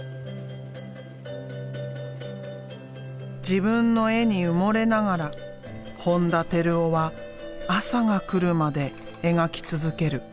自分の絵に埋もれながら本田照男は朝が来るまで描き続ける。